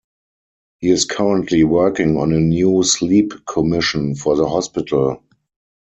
He is currently working on a new sleep commission for the hospital.